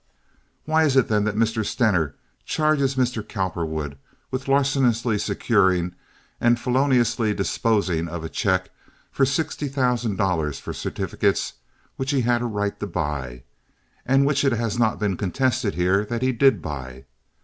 "Why is it then that Mr. Stener charges Mr. Cowperwood with larcenously securing and feloniously disposing of a check for sixty thousand dollars for certificates which he had a right to buy, and which it has not been contested here that he did buy?